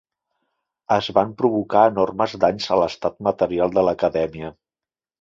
Es van provocar enormes danys a l'estat material de l'Acadèmia.